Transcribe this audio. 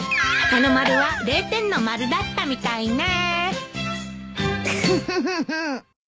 あの丸は０点の丸だったみたいね。